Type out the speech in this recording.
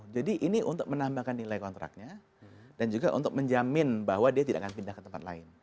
jadi ini untuk menambahkan nilai kontraknya dan juga untuk menjamin bahwa dia tidak akan pindah ke tempat lain